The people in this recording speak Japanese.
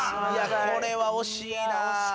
これは惜しいなぁ。